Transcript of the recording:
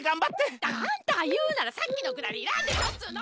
あんたがいうならさっきのくだりいらんでしょっつうの。